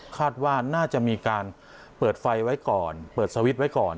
คาดว่าน่าจะมีการเปิดไฟไว้ก่อนเปิดสวิตช์ไว้ก่อน